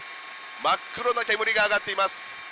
真っ黒な煙が上がっています。